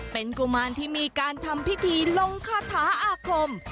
เป็นกุมารที่มีการทำพิธีลงคาถาอาคม